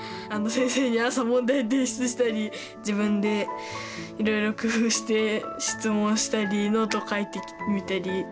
先生に朝問題提出したり自分でいろいろ工夫して質問したりノート書いてみたり。